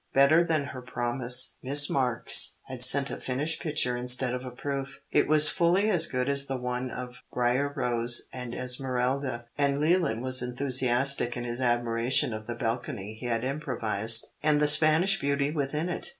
Better than her promise, Miss Marks had sent a finished picture instead of a proof. It was fully as good as the one of Brier Rose and Esmerelda, and Leland was enthusiastic in his admiration of the balcony he had improvised, and the Spanish beauty within it.